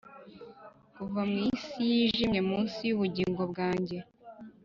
kuva mu isi yijimye munsi yubugingo bwanjye